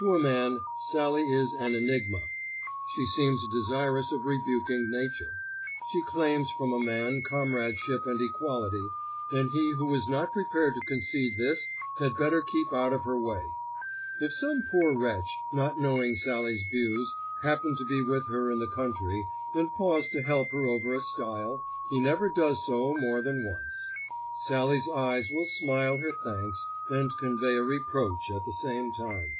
To a man Sallie is an enigma. She seems desirous of rebuking Nature. She claims from a man comradeship and equality, and he who is not prepared to concede this had better keep out of her way. If some poor wretch, not knowing Sallie's views, happen to be with her in the country and pause to help her over a stile, he never does so more than once. Sallie's eyes will smile her thanks and convey a reproach at the same time.